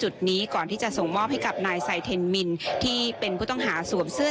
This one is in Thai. จุดนี้ก่อนที่จะส่งมอบให้กับนายไซเทนมินที่เป็นผู้ต้องหาสวมเสื้อ